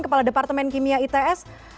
kepala departemen kimia its